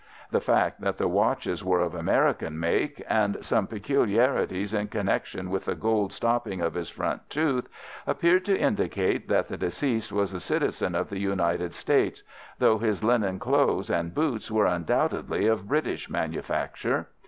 The fact that the watches were of American make, and some peculiarities in connection with the gold stopping of his front tooth, appeared to indicate that the deceased was a citizen of the United States, though his linen, clothes, and boots were undoubtedly of British manufacture.